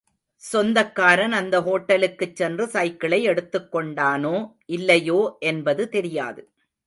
சொந்தக்காரன் அந்த ஹோட்டலுக்குச் சென்று சைக்கிளை எடுத்துக் கொண்டானோ, இல்லையோ என்பது தெரியாது.